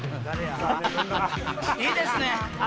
いいですね！